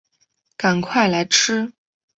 赶快来吃